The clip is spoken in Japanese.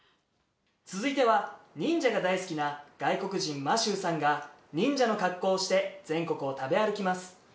「続いては忍者が大好きな外国人マシューさんが忍者の格好をして全国を食べ歩きます」